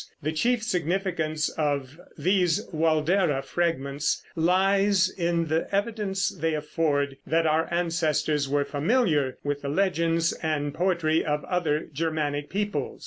The chief significance of these "Waldere" fragments lies in the evidence they afford that our ancestors were familiar with the legends and poetry of other Germanic peoples.